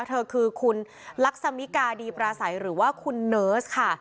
เธอคือคุณลักษมิกาดีปราศัยหรือว่าคุณเนิร์สค่ะ